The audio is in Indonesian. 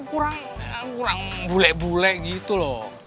kurang kurang bule bule gitu loh